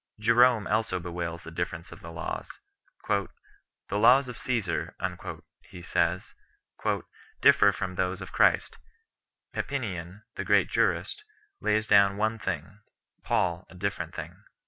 Jerome also bewails the difference of the laws. "The laws of Csesar," he says 3 , "differ from those of Christ; Papinian [the great jurist] lays down one thing, Paul a different thing."